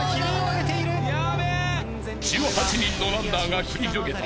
［１８人のランナーが繰り広げた］